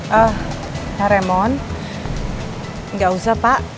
pak raymond nggak usah pak